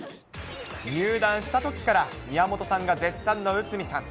入団したときから、宮本さんが絶賛の内海さん。